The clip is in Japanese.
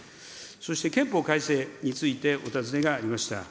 そして、憲法改正についてお尋ねがありました。